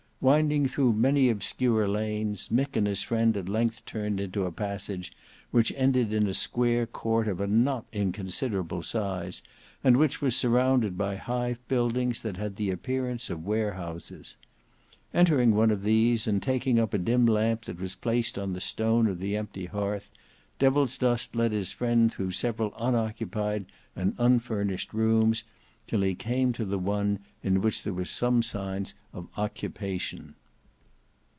Winding through many obscure lanes, Mick and his friend at length turned into a passage which ended in a square court of a not inconsiderable size, and which was surrounded by high buildings that had the appearance of warehouses. Entering one of these, and taking up a dim lamp that was placed on the stone of an empty hearth, Devilsdust led his friend through several unoccupied and unfurnished rooms, until he came to one in which there were some signs of occupation.